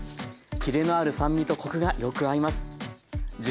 キレのある酸味とコクがよく合います。